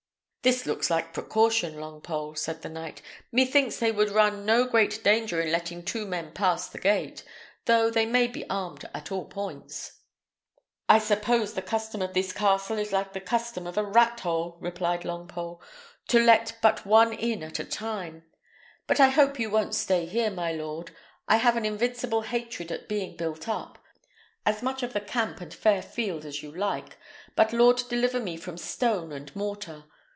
"This looks like precaution, Longpole," said the knight. "Methinks they would run no great danger in letting two men pass the gate, though they may be armed at all points." "I suppose the custom of this castle is like the custom of a rat hole," replied Longpole, "to let but one in at a time. But I hope you won't stay here, my lord. I have an invincible hatred at being built up. As much of the camp and fair field as you like, but Lord deliver me from stone and mortar!